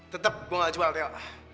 tetep gua gak jual teo